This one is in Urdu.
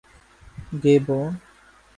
گیبون